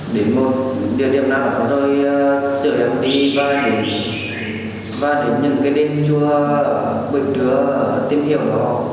giống với lúc lúc em đi đến một địa điểm nào đó rồi chờ em đi và đến những cái đêm chùa bệnh đứa tìm hiểu đó